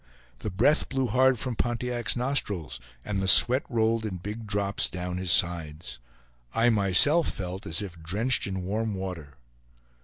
The breath blew hard from Pontiac's nostrils, and the sweat rolled in big drops down his sides; I myself felt as if drenched in warm water.